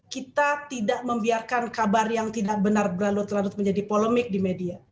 kita tidak membiarkan kabar yang tidak benar berlarut larut menjadi polemik di media